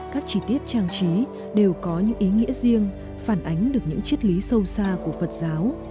các chi tiết trang trí đều có những ý nghĩa riêng phản ánh được những chiếc lý sâu xa của phật giáo